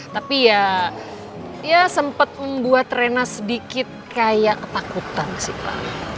tapi ya ya sempat membuat rena sedikit kayak ketakutan sih pak